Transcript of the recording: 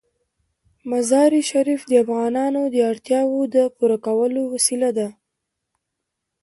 مزارشریف د افغانانو د اړتیاوو د پوره کولو وسیله ده.